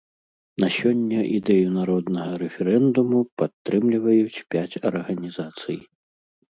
На сёння ідэю народнага рэферэндуму падтрымліваюць пяць арганізацый.